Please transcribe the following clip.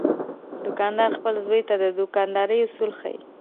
دوکاندار خپل زوی ته د دوکاندارۍ اصول ښيي.